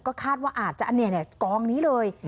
ก็คาดว่าอาจจะอันนี้เนี่ยกองนี้เลย